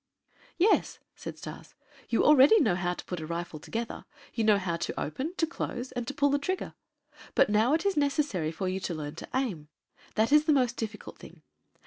"Yes," said Stas, "you already know how to put a rifle together, you know how to open, to close, and to pull the trigger. But now it is necessary for you to learn to aim. That is the most difficult thing.